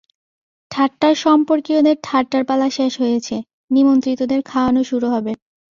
ঠাট্টার সম্পর্কীয়দের ঠাট্টার পালা শেষ হয়েছে– নিমন্ত্রিতদের খাওয়ানো শুরু হবে।